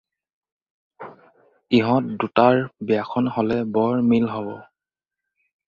ইহঁত দুটাৰ বিয়াখন হ'লে বৰ মিল হ'ব।